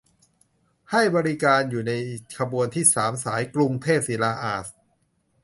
ให้บริการอยู่ในขบวนที่ สาม สายกรุงเทพศิลาอาสน์